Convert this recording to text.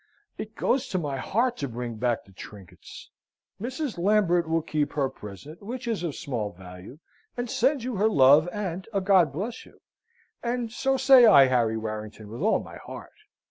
It goes to my heart to bring back the trinkets. Mrs. Lambert will keep her present, which is of small value, and sends you her love and a God bless you and so say I, Harry Warrington, with all my heart."